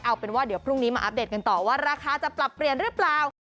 เอาเป็นว่าเดี๋ยวพรุ่งนี้มาอัปเดตกันต่อว่าราคาจะปรับเปลี่ยนหรือเปล่า